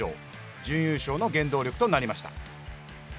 準優勝の原動力となりました。